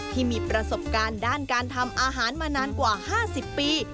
ที่มีประสบการณ์ด้านการทำอาหารมานานกว่า๕๐ปี